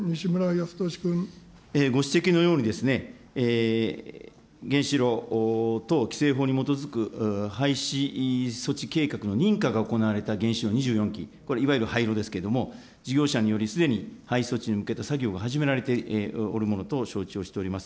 ご指摘のように、原子炉等規正法に基づく廃止措置計画の認可が行われた原子炉、２４基、これ、いわゆる廃炉ですけれども、事業によりすでに廃炉措置に向けた作業が始められておるものと承知をしております。